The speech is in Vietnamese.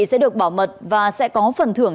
sẽ được bảo mật và sẽ có phần thưởng